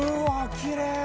きれい！